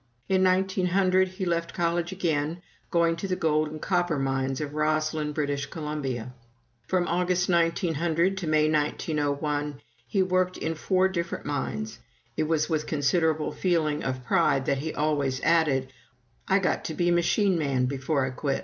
In 1900 he left college again, going to the gold and copper mines of Rossland, British Columbia. From August, 1900, to May, 1901, he worked in four different mines. It was with considerable feeling of pride that he always added, "I got to be machine man before I quit."